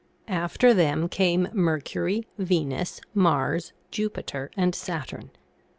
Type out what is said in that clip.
After them came Mercury, Venus, Mars, Jupiter, and Saturn.